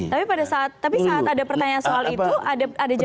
tapi pada saat tapi saat ada pertanyaan soal itu ada jawaban